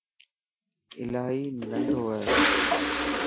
الاهي ننڊو هي.